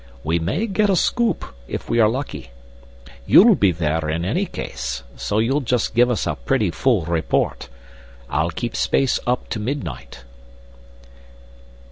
We may get a scoop, if we are lucky. You'll be there in any case, so you'll just give us a pretty full report. I'll keep space up to midnight."